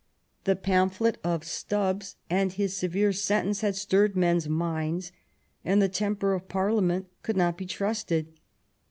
The pamphlet of Stubbs and his severe sentence had stirred men's minds, and the temper of Parliament could not be trusted.